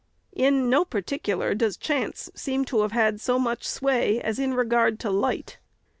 In no particular does chance seem to have had so much sway as in regard to light.